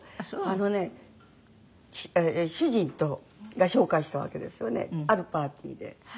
あのね主人が紹介したわけですよねあるパーティーで。